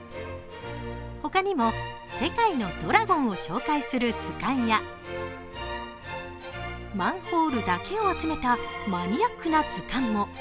他にも、世界のドラゴンを紹介する図鑑やマンホールだけを集めたマニアックな図鑑も。